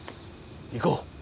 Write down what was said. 行こう。